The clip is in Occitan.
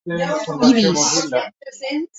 Iris.